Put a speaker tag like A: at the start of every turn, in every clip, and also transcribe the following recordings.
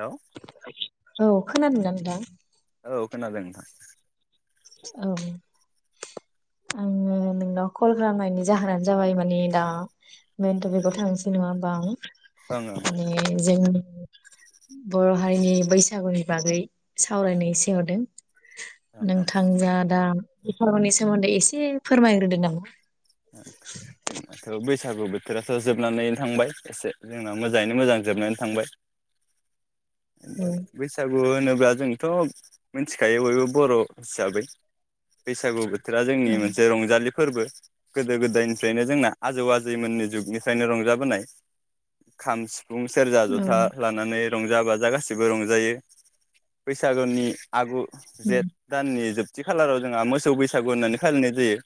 A: हेल
B: औ खोनादोंना नोंथां?
A: औ खोनादों नोंथां।
B: औ आङो नोंनाव कल खालामनायनि जाहोनानो जाबाय मानि दा मेन टपिकाव थांसै नङा होमबा आं।
A: ओं ओं
B: माने जोंनि बर' हारिनि बैसागुनि बागै सावरायनो एसे हरदों।
A: ओं ओं
B: जादा दाम बे फोरबोनि सोमोन्दै एसे फोरमायग्रोदो नामा।
A: जों हाथ बैसागु बोथ थोराथ जोबनानैनो थांबाय एसे जोंना मोजाङैनो मोजां जोबनानै थांबाय।
B: औ
A: बैसागु गु होनोब्ला जोंथ मोनथिखायो बयबो बर' हिसाबै। बैसागु बोथोरा
B: औ
A: जोंनि मोनसे रंजालि फोरबो। गोदो गोदायनिफ्रायनो जोंना आजौ आजैमोननि जुगनिफ्रायनो रंजाबोनाय खाम सि फुं सेरजा
B: औ
A: जथा लानानै। रंजा बाजा गासिबो रंजायो बैसागुनि आगु जेठ दाननि जोब थि खालाराव जोंहा मोसौ बैसागु होननानै फालिनाय जायो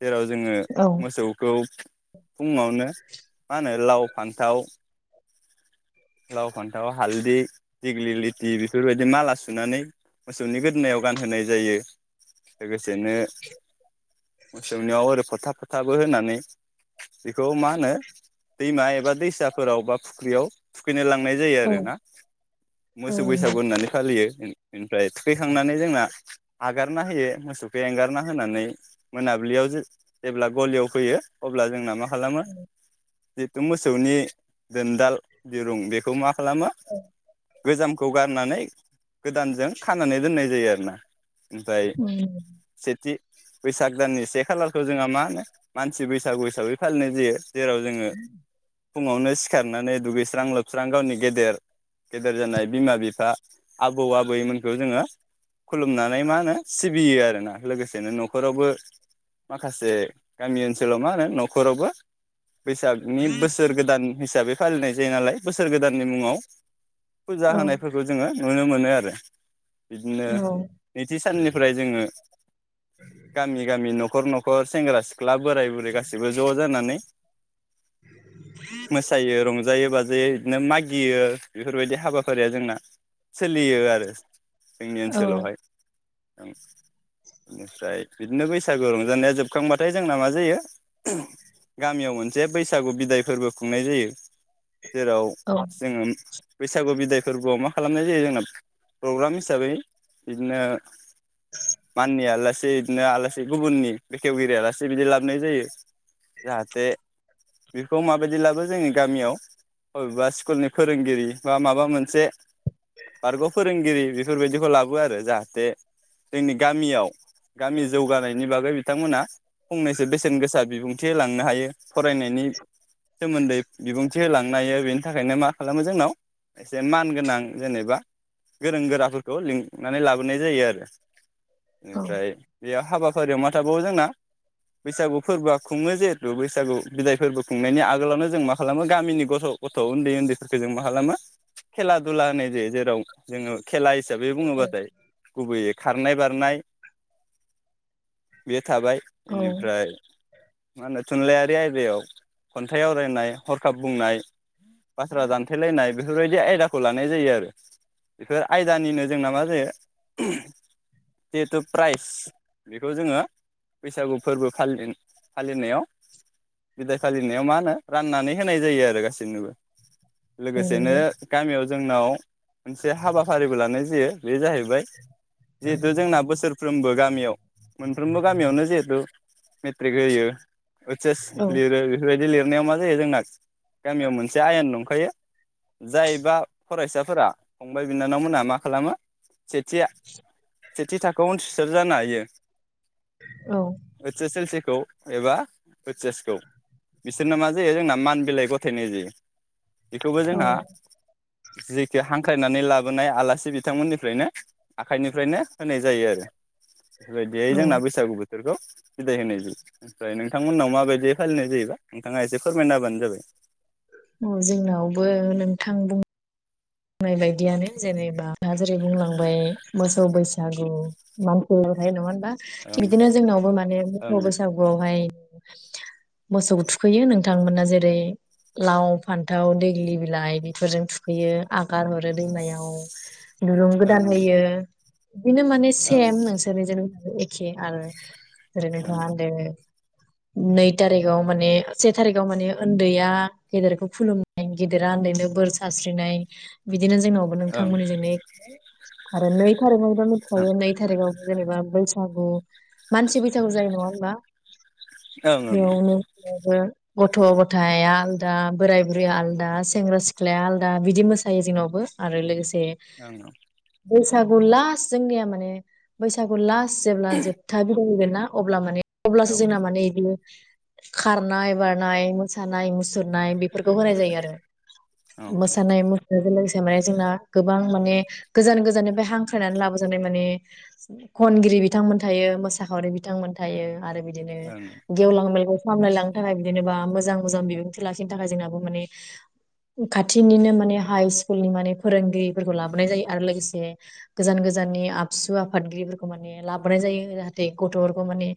A: जेराव जोङो
B: औ
A: मोसौखौ फुङावनो मा होनो लाव फान्थाव लाव फान्थाव हालदै दिग्लि लिथि बेफोरबायदि माला सुनानै मोसौनि गोदोनायाव गानहोनाय जायो लोगोस सेनो मोसौनियाव आरो फोथा फोथाबो होनानै बेखौ मा होनो दैमा एबा दैसाफोराव बा फुख्रियाव थुैखैनो लां नाय जायो आरो ना
B: औ
A: मोसौ बैसागु होननानै फालियो एनिफ्राय थुखैखांनानै जोंना हागारना होयो मोसौखौ एंगारना होनानै मोनाबिलियाव जो जेब्ला गलियाव फैयो अब्ला जोंना मा खालामो जिथु मोसौनि दोनदाल दिरुं बेखौ मा खालामो गोजामखौ गारनानै गोदानजों खानानै दोननाय जायो आरोना । ओमफाय सेथि बैसाग दाननि से खालार खौ जोंहा मा होनो मानसि बैसागु हिसाबै फालिनाय जायो । जेराव जोङो फुङावनो सिखार नानै दुगैस्रां लोबस्रां गावनि गेदेर गेदेर जानाय बिमा बिफा आबौ आबैमोनखौ जोङो खुलुमनानै मा होनो सिबियो आरोना लोगोसेनो नखरावबो माखासे गामि ओनसोलाव मा होनो नखरावबो बैसागनि बोसोर गोदान हिसाबै फालिनाय जायो नालाय बोसोर गोदाननि मुङाव फुजा
B: औ
A: होनायफोरखौ जोङो नुनो मोनो आरो बिदिनो
B: औ
A: नैथि साननिफ्राय जोङो गामि गामि न' खर न खर सेंग्रा सिख्ला बोराय बुरै गासैबो ज' जानानै मोसायो रंजायो बा जे नो मागियो बेफोरबायदि हाबाफारिया जोंना सोलियो आरो जोंनि ओनसोलावहाय इनिफ्राय बिदिनो बैसागो रंजानाया जोबखांबाथाय जोंना मा जायो गामियाव मोनसे बैसागु बिदाय फोरबो खुंनाय जायो। जेराव जोङो बैसागु बिदाय फोरबोआव मा खालामनाय जायो जोंना प्रग्राम हिसाबै बिदिनो माननि आलासि बिदिनो आलासि गुबुननि बेखेवगिरि आलासि बिदि लाबोनाय जायो जाहाथे बेखौ माबायदि लाबो जोंनि गामियाव अबेबा सिकुलनि फोरोंगिरि बा माबा मोनसे बारगफोरोंगिरि बेफोरबायदिखौ लाबो आरो जाहाथे जोंनि गामियाव गामि जौगानायनि बागै बि थांमोना फंनैसो बेसेन गोसा बिबुंथि लांनो हायो फरायनायनि सोमोन्दै बिबुंथि होलांनो हायो बेनि थाखायनो मा खालामो जोंनाव एसे मान गोनां जेनेबा गोरों गोराफोरखौ लिंनानै लाबोनाय जायो आरो। ओमफ्राय बेयाव हाबाफारियाव मा थाबावो जोंना बैसागु फोरबोआ खुङो जिहेथु बैसागु बिदाय फोरबो खुंनायनि आगोलावनो जों मा खालामो गामिनि ग थ गथ उन्दै उन्दैफोरखौ जों मा खालामो खेला दुला होनाय जायो जेराव जोङो। खेला हिसाबै बुङोबाथाय गुबैयै। खारनाय बारनाय। बे। थाबाय
B: औ
A: इनिफ्राय मा होनो थुनलाइयारि आयदायाव खन्थाइ आवरायनाय हरखाब बुंनाय बाथ्रा दानथेलायनाय बेफोरबायदि आयदाखौ लानाय जायो आरो बेफोर आयदानिनो जोंना मा जायो ओम जिहेथु प्राइज बे खो जोङो बैसागु फोरबो फालिन-फालिनायाव बिदाय फालिनायाव मा होनो राननानै होनाय जायो आरो गासैनोबो। लोगोसेनो
B: नंगौ
A: गामियाव जोंनाव मोनसे हाबाफारिबो लानाय जायो। बे जाहैबाय जिहेथु जोंना बोसोरफ्रोमबो गामियाव। मोनफ्रोमबो गामियावनो जिहेथु मेट्रिक होयो ओतस एस
B: औ
A: लिरो बेफोरबायदि। लिरनायाव मा जायो जोंना। गामियाव मोनसे आयेन दंखायो। जाय बा फरायसाफोरा फंबाय बिनानाव मोनहा मा खालामो सेथिया। सेथि थाखोआव उथ्रिस्रार जानो हायो।
B: औ
A: ओतस एल सि। खौ एबा इचस खौ बिसोरना मा जायो जोंना मान बिलाइ गथायनाय जायो। बेखौबो
B: औ
A: जोंहा जेखि हांख्रायनानै लाबोनाय आलासि बिथांमोननिफ्रायनो आखाइनिफ्रायनो होनाय जायो आरो। बेबायदि
B: औ
A: जोंना बैसागु बेखौ सिदाय होनाय जायो ओमफ्राय नोंथांमोननाव माबायदि फालिनाय जायोबा नोंथाङा एसे फोरमायनाबानो जाबाय
B: औ जोंनावबो नोंथां बुं बुंनाय बायदियानो जेनेबा दा जेरै बुंलांबाय मोसौ बैसागु मानसि बहथाय नङा बा
A: ओं
B: थि बिदिनो जोंनावबो माने
A: ओं
B: मोसौ बैसागुआवहाय मोसौखौ थुखैयो नोंथांमोना जेरै लाव फान्थाव दैग्लि बिलाइ बेफोरजों थुखैयो। आगार हरो दैमायाव दुरुं
A: ओं
B: गोदान होयो। बिदिनो माने
A: ओं ओं
B: सेम नोंसोरनि जेनेबा। एखे आरो [unintelligible] नै थारिखाव माने से थारिखाव माने उन्दैया गेदेरखौ खुलुमनाय गेदेरा उन्दैनो बोर सारस्रिनाय बि दिनो जोंनावबो
A: ओं
B: नोंथांमोननिजोंनो ए आरो नै खथ मोनथिखायो नै थारिगाव जेनेबा बैसागु मानसि बैसागु जायो नङा होनबा?
A: ओं
B: [unintelligible] गथ' गथाय आलदा, बोराय बुरैया आलदा, सेंग्रा सिख्लाया आलदा बिदि मो सायो जोंनावबो आरो लोगोसे
A: ओं ओं
B: से बैसागु लास जोंनिया माने बैसागु लास्त जेब्ला जोबथा खुंगोनना अब्ला माने
A: औ
B: अब्लासो जोंना माने इदि खारनाय बारनाय मोसानाय मुसुरनाय बेफोरखौ होनाय जायो आरो
A: औ
B: मोसानाय मु बेजों लोगोसे माने जोंना गोबां माने गोजान गोजाननिफ्राय हांख्रायनानै लाबोजानाय माने खनगिरि बिथांमोन थायो मोसाखावरि बिथांमोन थायो आरो बिदि दिनो गेवलां मेलबो सामलायलांनो थाखाय बिदि जेनेबा मोजां मोजां बिबुंथि लाखिनो थाखाय जोंनाबो माने खाथिनिनो माने हाइ स्कुलनि माने फोरोंगिरिफोरखौ लाबोनाय जायो आरो लोगोसे गोजान गोजाननि आबसु आफादगिरिफोरखौ माने लाबोनाय जायो जाहाथे गथ' फोरखौ माने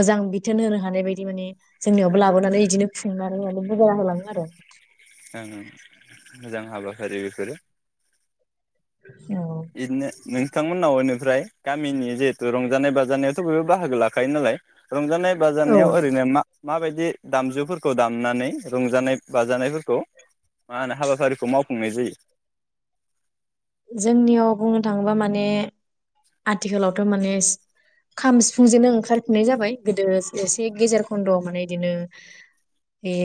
B: मोजां बिथोन होनो हानाय बायदि माने जोंनियावबो लाबोनानै इदिनो खुंनानै माने बुजायना होलाङो आरो
A: ओं ओं मोजां हाबाफारि बेफोरो
B: औ
A: बिदिनो नोंथांमोननावनो फ्राय गामिनि जिहेतु रंजानाय बाजानायावथ बयबो बाहागो लाखायो नालाय रंजानाय
B: औ
A: बाजानायाव ओरैनो मा माबायदि दामजुफोरखौ दामनानै रंजानाय बाजानायफोरखौ मा होनो हाबाफारिखौ मावफुंनाय जायो?
B: जोंनियाव बुंनो थाङोबा माने आथिखालावथ' माने खाम सिफुंजोंनो ओंखारफिननाय जाबाय गोदो एसे गेजेर खन्दआव माने इदिनो बे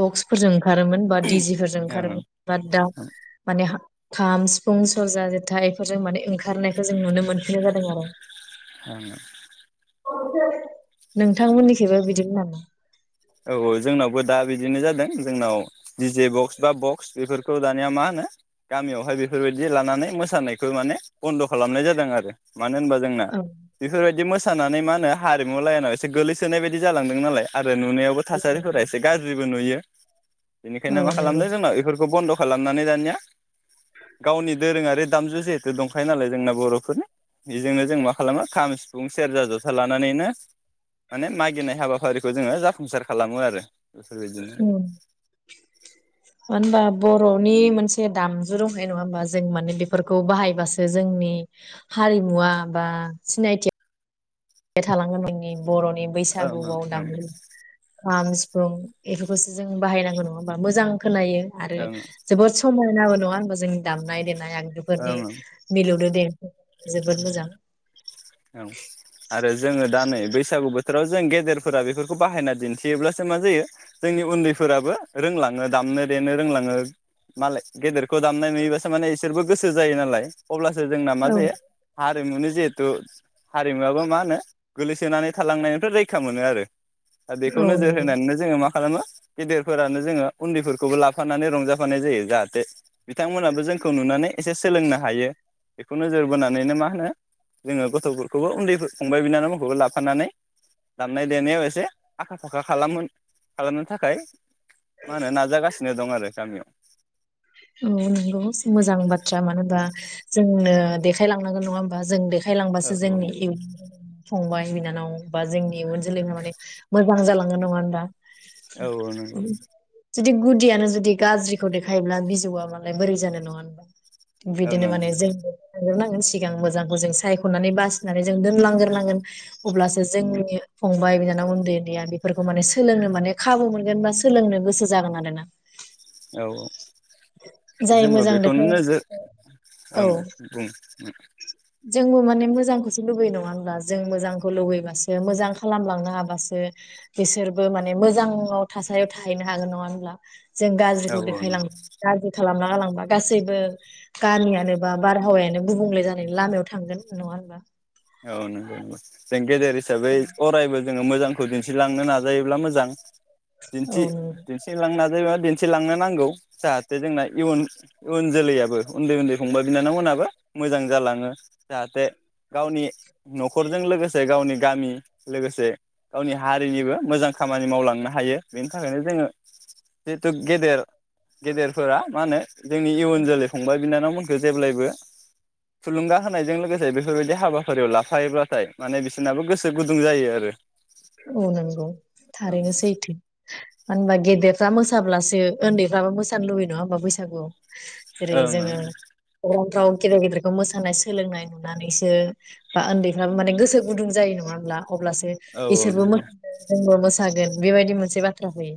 B: बक्सफोरजों ओं खारोमोन बा डि जे फोरजों
A: ओं
B: ओंखारोमोन बाथ दा माने खाम, सिफुं, सर्जा, जेथा एफोरजों माने ओं खारनायखौ जों नुनो मोनफिनाय जादों आरो।
A: ओं
B: नोंथांमोननिखैबो बिदिनो नामा?
A: औ औ जोंनावबो दा बिदिनो जादों जोंनाव दि जे बक्स बा बक्स बेफोरखौ दानिया मा होनो गामियावहाय बेफोरबायदि लानानै मोसानायखौ माने बन्द खालामनाय जादों आरो मानो होनबा जोंना
B: औ
A: बेफोरबायदि मोस सानानै मा होनो हारिमु लाइनाव एसे गोलैसोनाय बायदि जालांदों नालाय आरो नुनायाव थारिफोरा एसे गाज्रि बो नुयो
B: औ
A: बेनिखायनो मा
B: नंगौ
A: खालामदों जोंनाव इफोरखौ बन्द खालामनानै दानिया गावनि दोरोङारि दामजु जिहेथु दंखायो नालाय जोंना बरफोरनि बेजोंनो जों मा खालामो खाम सिफुं सेरजा जथा लानानैनो माने मागिनाय हाबाफारिखौ जोङो जाफुंसारो खालामो आरो बेफोर बायदिनो
B: मानो होनबा बरनि मोनसे दामजु दंखायो नङा होमबा जों माने बेफोरखौ बाहायबासो जोंनि हारिमुवा बा सिनायथिया बे थालांगोन नोंनि बरनि
A: ओं
B: बैसागु बाव
A: ओं
B: दामग्रा खम सिफु फुं इफोरखौसो जों बाहायनांगौ नङा होमबा मोजां खोनायो आरो
A: ओं ओं
B: जोबोद समायना मोनो नङा होनोमबा जोंनि दामनाय देनाय आंगजुफोरनि
A: ओं
B: मिलौनो देंखो जोबोद मोजां
A: औ आरो जोङो दा नै बैसागु बो बोथोराव जों गेदेरफोरा बेफोरखौ बाहायना दिन्थियोब्लासो मा जायो जोंनि उन्दैफोराबो रोंलाङो दामनो देनो रोंलाङो मालाय गेदेरखौ दामनाय नुयोबासो माने इसोरबो गोसो जायो नालाय। अब्लासो जोंना मा
B: औ
A: जायो हारिमुनि जिहेथु हारिमुवाबो मा होनो गोलैसोनानै थालांनायनिफ्राय रैखा मोनो आरो दा बेखौ
B: औ
A: नोजोर
B: नंगौ
A: होनानैनो जोङो मा खालामो गेदेरफोरानो जोङो उन्दैफोर खौबो लाफानानै रंजाफानाय जायो जाहाथे बिथांमोनहाबो जोंखौ नुनानै एसे सोलोंनो हायो बेखौ नोजोर बोनानैनो मा होनो जोङो गथफोरखौबो उन्दै फंबाय बिनानावफोरखौबो लाफानानै दामनाय देनायाव एसे आखा फाखा खालाम खालामनो थाखाय मा होनो नाजागासिनो दं आरो गामियाव
B: औ नंगौ मोजां बाथ्रा मानो होनबा जोंनो देखायलांनांगोन नङा होमबा जों
A: औ
B: देखायलांबासो जोंनि इउन फंबाय बिनानाव बा जोंनि इयुन जोलैया माने मोजां जालांगोन नङा दा ।
A: औ औ नंगौ ।
B: जुदि गुदियाजुदि गाज्रिखौ देखा थायोब्ला बिजौआ मालाय बोरै जानो नङा होनबा ।
A: औ
B: बिदिनो माने
A: नंगौ
B: जों [unintelligible] सिगां मोजांखौ जों सायखनानै बासिनानै जों दोनलांग्रोनांगोन अब्लासो जोंनि फंबाय बिनानाव उन्दै उन्दैया बेफोरखौ माने सोलोंनो माने खाबु मोनगोन बा सोलोंनो गोसो जागोन आरोना ।
A: औ औ
B: जाय
A: जोंबो
B: मोजां
A: बेखौनो
B: बेखौ
A: नोजोर
B: औ
A: ओं बुं
B: जोंबो माने मोजांखौसो लुबैयो नङा होनब्ला जों मोजांखौ लुबैबासो मोजां खालामलांनो हाबासो बिसोरबो माने मोजाङाव थासारियाव थाहैनो हागोन नङा होमब्ला । जों
A: औ
B: गाज्रिखौ
A: औ
B: देखायलांनो
A: नंगौ
B: गाज्रि खालामना गालांबा गासैबो गामियानो बा बारहावायानो गुबुंले जानायनि लामायाव थांगोन नङा होनबा ।
A: औ नंगौ नंगौ जों गेदेर हिसाबै अरायबो जोङो मोजांखौ दिन्थिलांनो नाजायोब्ला मोजां
B: औ नंगौ
A: दिन्थि-दिन्थि लांनो नाजायोबाथ दिन्थिलांनो नांगौ जाहाथे जोंना इयुन इयुन जोलैयाबो उन्दै उन्दै फंबाय बिनानावमोनहाबो मोजां जालाङो जाहाथे गावनि नखरजों लोगोसे गावनि गामि लोगोसे गावनि हारिनिबो मोजां खामानि मावलांनो हायो बेनि थाखायनो जोङो जिहेथु गेदेर गेदेरफोरा मा होनो जोंनि इयुन जोलै फंबाय बिनानावमोन खो जेब्लायबो थुलुंगा होनायजों लोगोसे बेफोरबायदि हा हाबाफारियाव लाफायोब्लाथाय माने बिसोरनाबो गोसो गुदुं जायो आरो ।
B: औ नोंगौ थारैनो सैथो मानो होनबा गेदेर फ्रा मोसाब्लासो ओन्दैफ्राबो मोसानो लुबैयो नङा होमबा बैसागुयाव । जेरै
A: ओं
B: जोङो फ्राव गेदेर गेदेरखौ मोसानाय सोलोंनाय नुनानैसो बा ओन्दैफ्रा माने गोसो गुदुं जायो नङा होमब्ला अब्लासो
A: ओं औ
B: इसोरबो
A: नंगौ
B: मोसादो जोंबो मोस थागोन बेबायदि मोनसे बाथ्रा फैयो।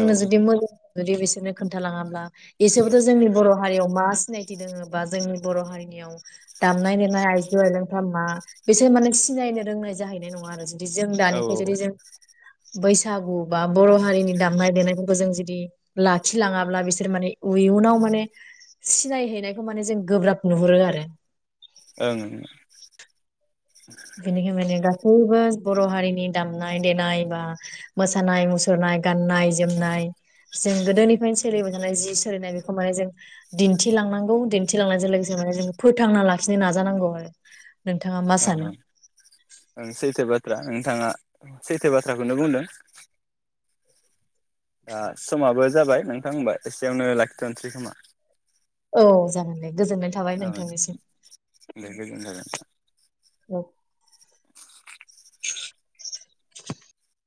A: औ
B: जुदि मैल' जुदि बिसोरनो खोन्थालाङाब्ला बिसोरबोथ' जोंनि बर' हारियाव मा सिनायथि दोङो बा जोंनि बर' हारिनियाव दामनाय देनाय आइजो आइलांफ्रा मा बिसोर माने सिनायनो रोंनाय जाहैनाय नङा आरो दि जों
A: औ
B: दानिफ्राय जुदि जों बैसागु बा बर' हारिनि दामनाय देनायफोरखौ जों जुदि लाखिलाङाब्ला बिसोर माने इयुनाव माने सिनायहैनायखौ माने जों गोब्राब नुहुरो आरो।
A: ओं।
B: बेनिखाय माने गासैबो बर' हारिनि दामनाय देनाय बा मोसानाय मुसुरनाय गान्नाय जोमनाय जों गोदोनिफ्रायनो सोलिबाय थानाय जि सोलिनाय बेखौ माने जों दिन्थिलांनांगौ दिन्थिलांनायजों लोगोसे माने जों फोथांना लाखिनो नाजानांगौ आरो। नोंथाङा मा
A: ओं
B: सानो?
A: ओं सैथो बाथ्रा नोंथाङा सै थो बाथ्राखौनो बुंदों। दा समाबो जाबाय नोंथां होनबा एसेयावनो लाखिथनसै खोमा?
B: औ जागोन दे। गोजोन्नाय थाबाय
A: औ
B: नोंथांनिसिम।
A: दे गोजोननाय थाबाय
B: औ।